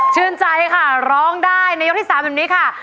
ชื่นใจค่ะร้องได้ในยกที่๓แบบนี้ค่ะ